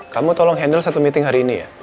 kamu tolong handle satu meeting hari ini ya